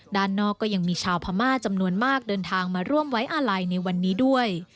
ด้านนอกก็ยังมีชาวพม่าจำนวนมากเดินทางมาร่วมไว้อาลัยในวันนี้ด้วย